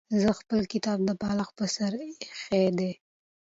زه خپل کتاب د بالښت پر سر ایښی دی.